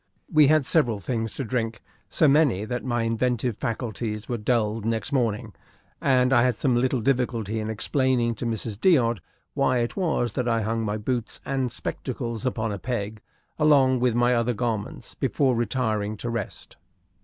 We had several things to drink so many that my inventive faculties were dulled next morning, and I had some little difficulty in explaining to Mrs. D'Odd why it was that I hung my boots and spectacles upon a peg along with my other garments before retiring to rest.